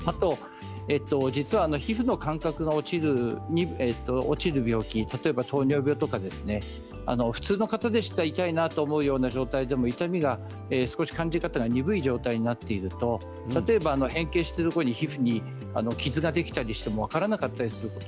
実は、皮膚の感覚が落ちる病気例えば、糖尿病とか普通の方でしたら痛いなと思うような状態でも痛みの感じ方が鈍い状態になっていると変形しているところ、皮膚に傷ができても分からなかったりします。